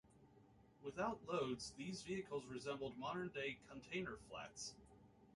Without loads these vehicles resembled modern day "Container Flats".